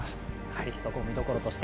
ぜひそこを見どころとして。